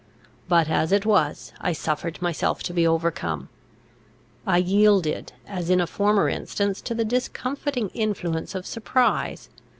But, as it was, I suffered myself to be overcome; I yielded, as in a former instance, to the discomfiting influence of surprise.